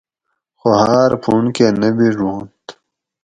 خو ہاۤر پُھونڑ کہ نہ بِیڛ وانت